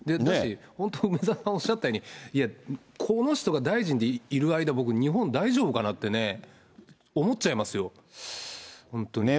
本当、梅沢さんがおっしゃったように、いや、この人が大臣でいる間、日本大丈夫かなって、思っちゃいますよ、本当に。